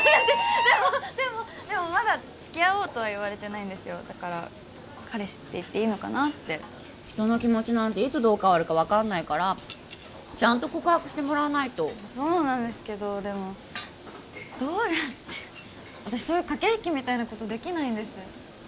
でもでもでもまだ付き合おうとは言われてないんですよだから彼氏って言っていいのかなって人の気持ちなんていつどう変わるか分かんないからちゃんと告白してもらわないとそうなんですけどでもどうやって私そういう駆け引きみたいなことできないんです